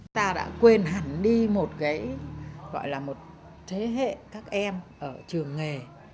ta đã quên hẳn đi một thế hệ các em ở trường nghề